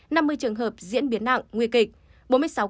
năm mươi trường hợp diễn biến nặng nguy kịch